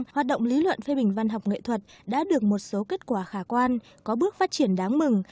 hoạt động lý luận phê bình văn học nghệ thuật đã được một số kết quả khả quan có bước phát triển đáng mừng